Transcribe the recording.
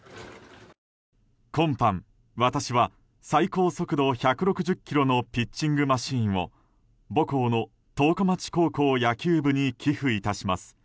今般、私は最高速度１６０キロのピッチングマシーンを母校の十日町高校野球部に寄付します。